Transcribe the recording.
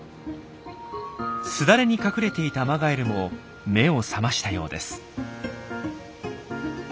簾に隠れていたアマガエルも目を覚ましたようです。